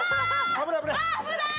危ない危ない！